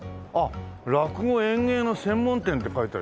「落語・演芸の専門店」って書いてあるよ。